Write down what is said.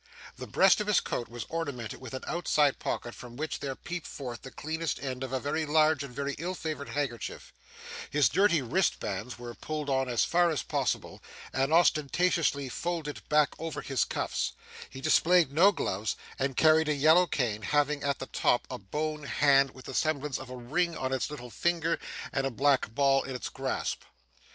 The breast of his coat was ornamented with an outside pocket from which there peeped forth the cleanest end of a very large and very ill favoured handkerchief; his dirty wristbands were pulled on as far as possible and ostentatiously folded back over his cuffs; he displayed no gloves, and carried a yellow cane having at the top a bone hand with the semblance of a ring on its little finger and a black ball in its grasp.